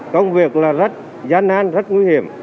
công việc là rất gian nan rất nguy hiểm